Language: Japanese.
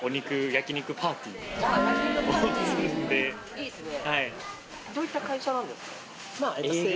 いいっすね。